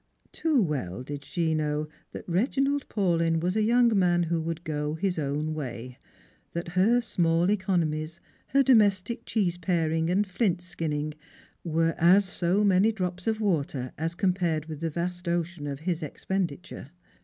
Too well did she know that Eeginald Paulyn was a young man who would go his own way ; that her small economies, her domestic cheese paring, and flint skinning were as so many drops of water as compared with the vast ocean of his expenditure.